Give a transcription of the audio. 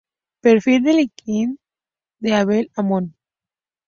Perfil de LinkedIn de Abel Amón